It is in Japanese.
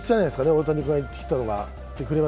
大谷君が言ってきたのは。